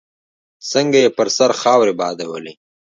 څنګه يې پر سر خاورې بادولې.